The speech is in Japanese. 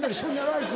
あいつ。